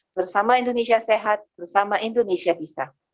bersama indonesia sehat bersama indonesia bisa